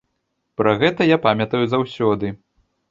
Пра гэта я памятаю заўсёды.